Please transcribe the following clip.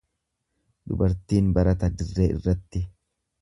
Dubartiin barata dirree irratti.